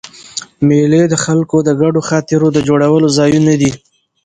مېلې د خلکو د ګډو خاطرو د جوړولو ځایونه دي.